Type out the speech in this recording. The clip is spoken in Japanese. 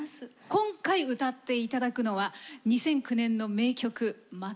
今回歌って頂くのは２００９年の名曲「また